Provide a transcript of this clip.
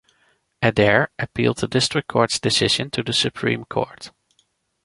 Adair appealed the District Court's decision to the Supreme Court.